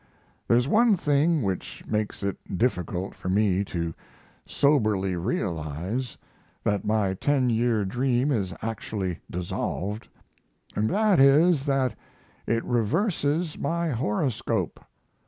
There's one thing which makes it difficult for me to soberly realize that my ten year dream is actually dissolved; and that is that it reverses my horoscope.